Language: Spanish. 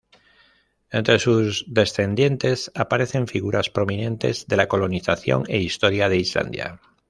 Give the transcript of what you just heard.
Entre sus descendientes aparecen figuras prominentes de la colonización e historia de Islandia.